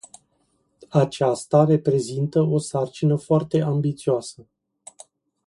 Acesta reprezintă o sarcină foarte ambițioasă.